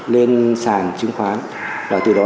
lên sàn chứng khoán và từ đó